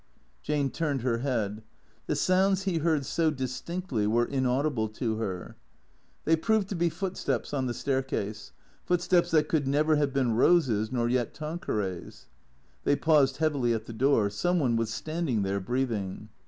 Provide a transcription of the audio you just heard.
Jane turned her head. The sounds he heard so distinctly were inaudible to her. They proved to be footsteps on the staircase, footsteps that could never have been Eose's nor yet Tanqueray's. They paused heavily at the door. Some one was standing there, breathing.